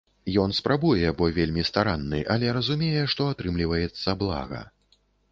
Ён спрабуе, бо вельмі старанны, але разумее, што атрымліваецца блага.